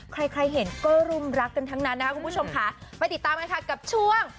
ใครใครเห็นก็รุมรักกันทั้งนั้นนะคะคุณผู้ชมค่ะไปติดตามกันค่ะกับช่วง